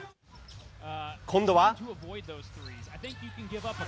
今度は。